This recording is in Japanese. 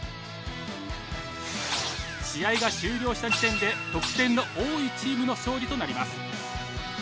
試合が終了した時点で得点の多いチームの勝利となります。